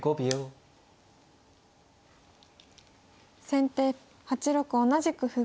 先手８六同じく歩。